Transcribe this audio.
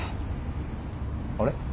あれ？